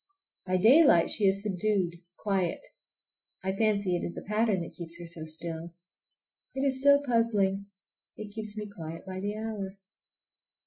By daylight she is subdued, quiet. I fancy it is the pattern that keeps her so still. It is so puzzling. It keeps me quiet by the hour.